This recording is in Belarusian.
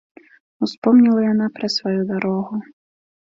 Успомніла яна пра сваю дарогу.